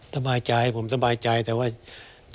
เพราะเรื่องมันยังไม่จบ